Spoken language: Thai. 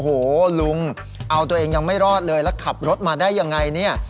โอ้โหลุงเอาตัวเองยังไม่รอดเลยแล้วขับรถมาได้ยังไงเนี่ย